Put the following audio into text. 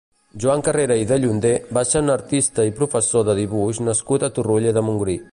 Joan Carrera i Dellunder va ser un artista i professor de dibuix nascut a Torroella de Montgrí.